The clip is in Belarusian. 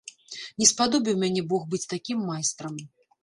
Не спадобіў мяне бог быць такім майстрам.